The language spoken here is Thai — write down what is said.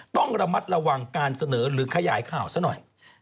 ต้องระมัดระวังการเสนอหรือขยายข่าวซะหน่อย